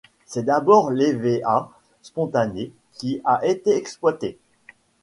C'est d'abord l'hévéa spontané qui a été exploité.